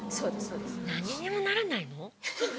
何にもならないの？